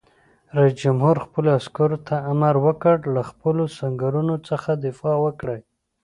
رئیس جمهور خپلو عسکرو ته امر وکړ؛ له خپلو سنگرونو څخه دفاع وکړئ!